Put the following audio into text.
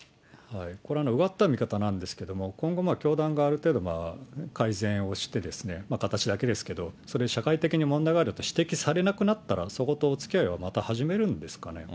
これはうがった見方なんですけど、今後、教団がある程度、改善をして、形だけですけど、それを社会的に問題があると指摘されなくなったら、そことおつきあいはまた始めるんですかね。